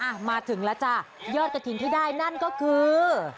ดีนะคะมาถึงแล้วจ้ะยอดกระทิงที่ได้นั่นก็คือ